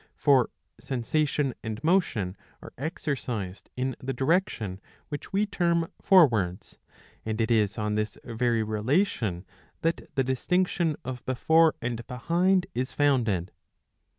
(For sensation and motion are exercised in the direction which we term forwards, and it is on this very relation that the distinction of before and behind is founded.)